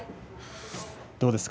どうですか？